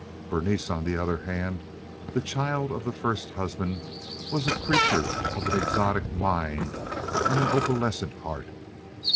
Berenice, on the other hand, the child of the first husband, was a creature of an exotic mind and an opalescent heart.